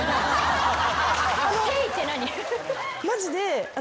マジで私